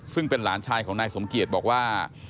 ซึ่งเป็นหลานชายของนายสมเกียจบอกว่า